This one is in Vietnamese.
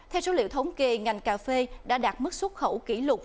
theo số liệu thống kê ngành cà phê đã đạt mức xuất khẩu kỷ lục